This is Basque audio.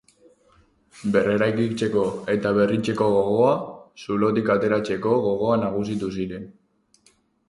Berreraikitzeko eta berritzeko gogoa, zulotik ateratzeko gogoa nagusitu ziren.